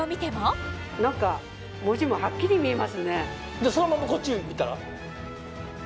さらにそのままこっち見たら？